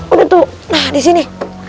udah tuh nah disini